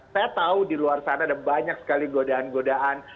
saya tahu di luar sana ada banyak sekali godaan godaan